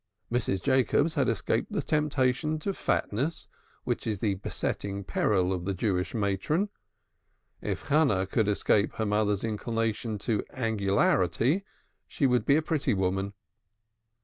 Mrs. Jacobs had escaped the temptation to fatness, which is the besetting peril of the Jewish matron. If Hannah could escape her mother's inclination to angularity she would be a pretty woman.